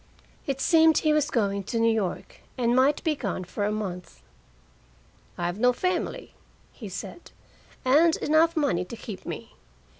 It seemed he was going to New York, and might be gone for a month. "I've no family," he said, "and enough money to keep me.